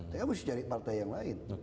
tapi harus cari partai yang lain